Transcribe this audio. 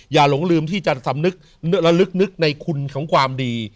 หลงลืมที่จะสำนึกระลึกนึกในคุณของความดี